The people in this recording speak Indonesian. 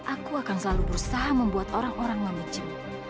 aku akan selalu berusaha membuat orang orang memicu